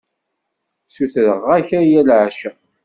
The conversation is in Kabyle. Ssutreɣ-ak aya leɛca.